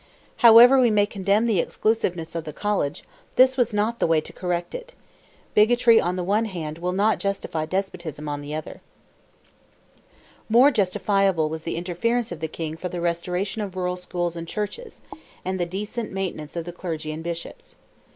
However we may condemn the exclusiveness of the College, this was not the way to correct it; bigotry on the one hand, will not justify despotism on the other. More justifiable was the interference of the King for the restoration of rural schools and churches, and the decent maintenance of the clergy and bishops.